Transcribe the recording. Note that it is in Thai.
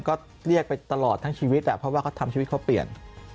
ก็เรียกไปตลอดทั้งชีวิตเพราะว่าเขาทำชีวิตเขาเปลี่ยน